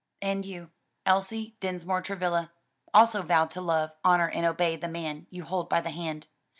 "And you, Elsie Dinsmore Travilla, also vowed to love, honor and obey the man you hold by the hand.